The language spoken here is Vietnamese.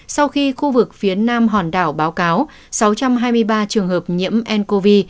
sau khi khu vực phía nam hòn đảo báo cáo sáu trăm hai mươi ba trường hợp nhiễm ncov